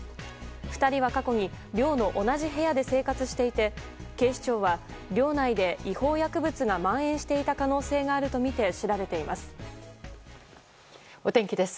２人は過去に寮の同じ部屋で生活していて警視庁は寮内で違法薬物が蔓延していた可能性があるとみてお天気です。